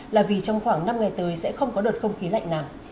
là vì trong khoảng năm ngày tới sẽ không có đợt không khí lạnh nào